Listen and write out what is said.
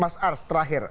mas ars terakhir